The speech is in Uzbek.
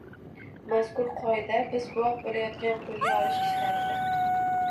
Mazkur qoida biz guvoh bo‘layotgan qo‘lga olish ishlarida